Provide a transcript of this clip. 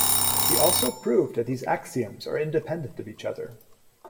He also proved that these axioms are independent of each other.